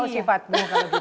aku tahu sifatmu kalau gitu